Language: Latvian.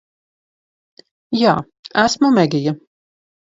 Jā. Esmu Megija.